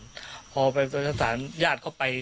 พอไปประกันตัวชั้นศาลญาติเขาไป